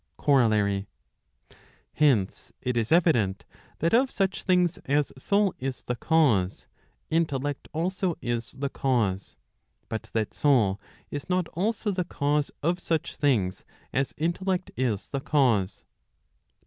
COROLLARY. Hence, it is evident, that of such things as soul is the cause, intellect also is the cause; but that soul is not also the cause of such things as intellect is the cause.